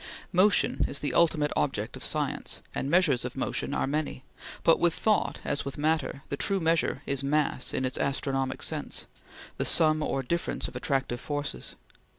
Motion is the ultimate object of science, and measures of motion are many; but with thought as with matter, the true measure is mass in its astronomic sense the sum or difference of attractive forces.